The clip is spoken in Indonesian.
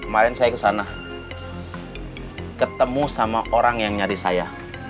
kemarin saya kesana ketemu sama orang yang nyari saya